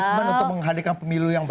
komitmen untuk menghadirkan pemilu yang baik